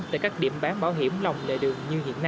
tại các điểm bán bảo hiểm lòng lề đường như hiện nay